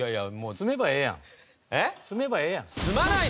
住めばええやん。